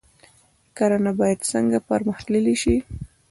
کرنه باید څنګه پرمختللې شي؟